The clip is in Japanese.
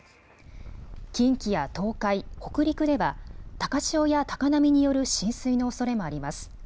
近畿や東海、北陸では高潮や高波による浸水のおそれもあります。